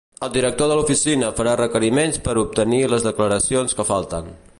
El director de l’oficina farà requeriments per obtenir les declaracions que falten.